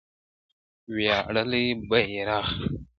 ویاړلی بیرغ ..